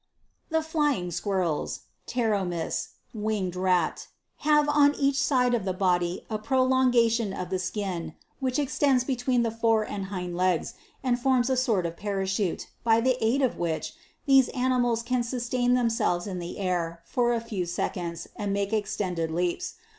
24. The FLYING SGIUIRRELS, Pteromyft, (winged rat) (Plate 4, Jig. 8.) have on each side of the body a prolongation of the skin, which extends between the fore and hind legs, and forms a sort of parachute, by the aid of which, these animals can sustain themselves in the air for a few seconds and make extended leaps.